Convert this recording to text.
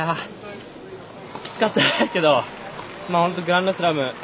きつかったですけど本当、グランドスラム